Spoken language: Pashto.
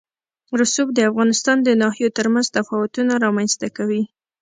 رسوب د افغانستان د ناحیو ترمنځ تفاوتونه رامنځ ته کوي.